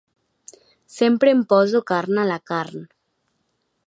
Sempre em poso carn a la carn.